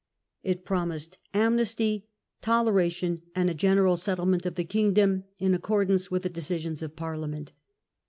It promised amnesty, toleration, and a general settlement The King's of the kingdom in accordance with the de Return, cisions of Parliament.